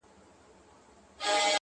دى بېواكه وو كاڼه يې وه غوږونه.!